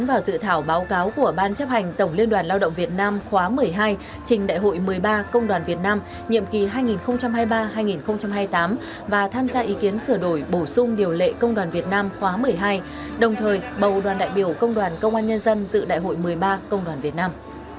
và dự thảo báo cáo của ban chấp hành tổng liên đoàn lao động việt nam khóa một mươi hai trình đại hội một mươi ba công đoàn việt nam nhiệm kỳ hai nghìn hai mươi ba hai nghìn hai mươi tám và tham gia ý kiến sửa đổi bổ sung điều lệ công đoàn việt nam khóa một mươi hai đồng thời bầu đoàn đại biểu công đoàn công an nhân dân dự đại hội một mươi ba công đoàn việt nam